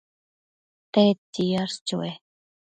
¿tedtsi yash chue